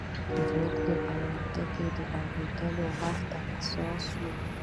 پیلوټ د الوتکې د اورېدو غږ ته حساس وي.